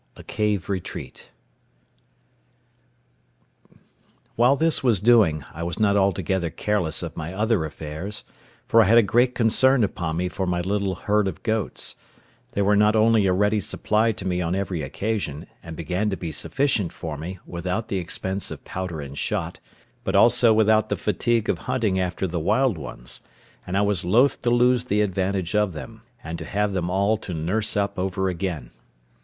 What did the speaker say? A CAVE RETREAT While this was doing, I was not altogether careless of my other affairs; for I had a great concern upon me for my little herd of goats: they were not only a ready supply to me on every occasion, and began to be sufficient for me, without the expense of powder and shot, but also without the fatigue of hunting after the wild ones; and I was loath to lose the advantage of them, and to have them all to nurse up over again.